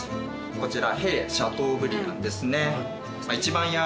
こちら。